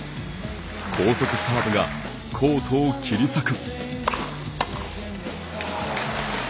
高速サーブがコートを切り裂く。